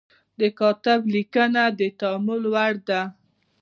کاتب لیکنه د تأمل وړ ده.